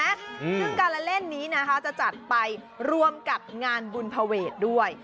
เรื่องการเล่นนี้จะจัดไปรวมกับงานบุญพเวทด้วย